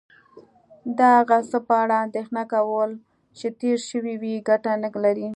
د هغه څه په اړه اندېښنه کول چې تیر شوي وي کټه نه لرې